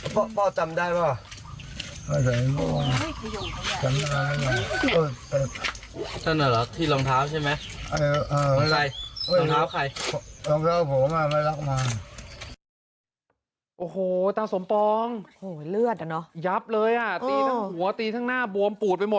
พ่อจำได้ไหม